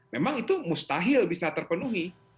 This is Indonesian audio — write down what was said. memang itu mustahil bisa terpenuhi